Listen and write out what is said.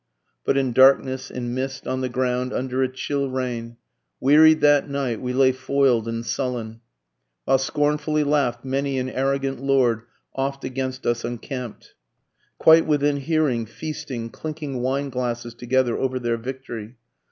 But in darkness in mist on the ground under a chill rain, Wearied that night we lay foil'd and sullen, While scornfully laugh'd many an arrogant lord oft' against us encamp'd, Quite within hearing, feasting, clinking wineglasses together over their victory.